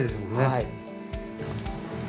はい。